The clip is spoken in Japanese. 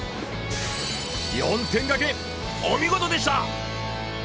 ４点掛けお見事でした！